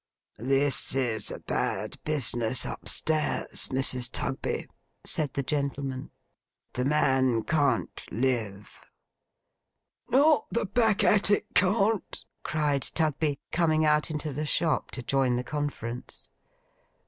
'This is a bad business up stairs, Mrs. Tugby,' said the gentleman. 'The man can't live.' 'Not the back attic can't!' cried Tugby, coming out into the shop to join the conference.